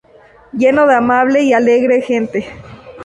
Lleno de amable y alegre gente.